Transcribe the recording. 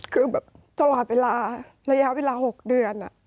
คือแบบตลอดเวลาระยะเวลา๖เดือน